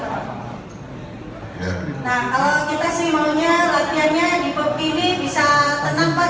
nah kalau kita sih maunya latihannya di pop ini bisa tenang pak